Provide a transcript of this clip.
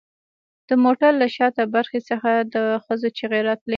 د موټر له شاته برخې څخه د ښځو چیغې راتلې